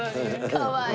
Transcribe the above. かわいい。